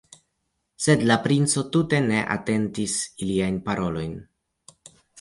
Sed la princo tute ne atentis iliajn parolojn.